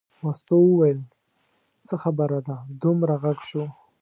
مستو وویل څه خبره ده دومره غږ شو.